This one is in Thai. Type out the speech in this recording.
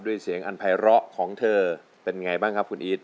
ด้วยเสียงอันไพระของเธอเป็นไงบ้างครับคุณอีท